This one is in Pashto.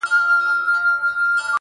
د ديوتاکور ته اپلاتون او سقراط ولېږه,